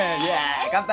乾杯！